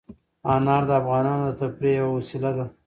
انار د افغانانو د تفریح یوه وسیله ده.